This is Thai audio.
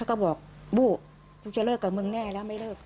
มันเขาก็บอกวู้จะเลิกกับเมื่องแน่แล้วไม่เลิก